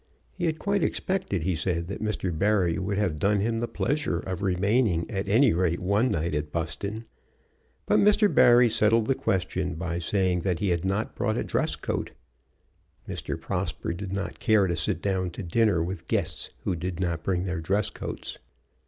He had quite expected, he said, that Mr. Barry would have done him the pleasure of remaining at any rate one night at Buston. But Mr. Barry settled the question by saying that he had not brought a dress coat. Mr. Prosper did not care to sit down to dinner with guests who did not bring their dress coats.